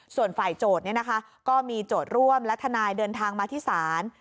ส่วนฝ่ายโจทย์ก็มีโจทย์ร่วมและทนายเดินทางมาที่ศาล